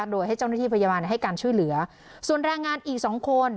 โดยให้เจ้าหน้าที่พยาบาลให้การช่วยเหลือส่วนแรงงานอีกสองคน